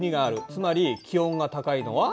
つまり気温が高いのは？